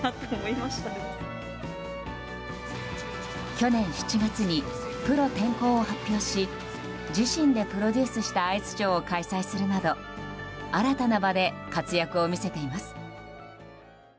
去年７月に、プロ転向を発表し自身でプロデュースしたアイスショーを開催するなど新たな場で活躍を見せています。